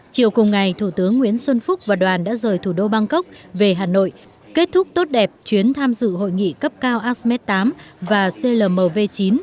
chiều cùng ngày thủ tướng nguyễn xuân phúc và đoàn đã rời thủ đô bangkok về hà nội kết thúc tốt đẹp chuyến tham dự hội nghị cấp cao asemed tám và clmv chín